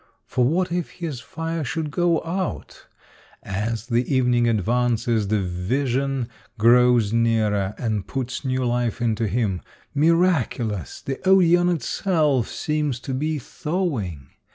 For what if his fire should go out ! As the evening advances, the vision grows nearer, and puts new life into him. Miraculous ! the Od^on itself seems to be thawing.